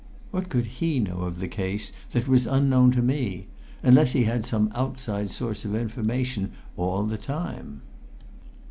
What could he know of the case, that was unknown to me unless he had some outside source of information all the time?